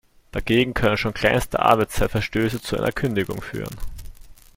Dagegen können schon kleinste Arbeitszeitverstöße zu einer Kündigung führen.